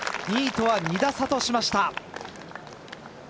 ２位とは２打差としました。